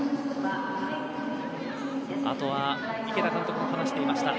あとは池田監督が話していました。